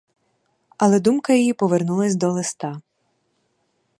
Але думка її повернулась до листа.